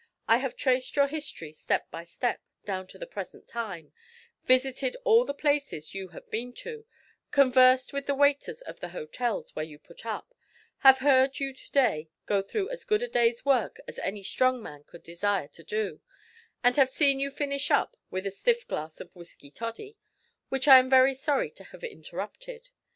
I have traced your history step by step, down to the present time, visited all the places you have been to, conversed with the waiters of the hotels where you put up, have heard you to day go through as good a day's work as any strong man could desire to do, and have seen you finish up, with a stiff glass of whisky toddy, which I am very sorry to have interrupted.